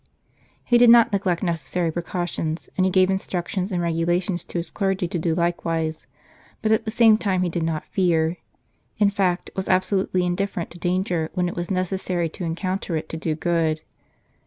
" He did not neglect necessary precautions, and he gave instructions and regulations to his clergy to do likewise, but at the same time he did not fear in fact, was absolutely indifferent to danger when it was necessary to encounter it to do good.